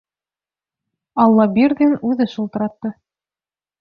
Аллабирҙин үҙе шылтыратты.